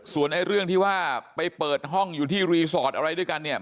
ส่วนไอ้เรื่องที่ว่าไปเปิดห้องอยู่ที่รีสอร์ทอะไรด้วยกันเนี่ย